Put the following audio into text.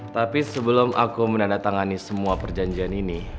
tapi sebelum aku menandatangani semua perjanjian ini